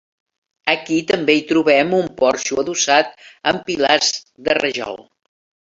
Aquí també hi trobem un porxo adossat amb pilars de rajol.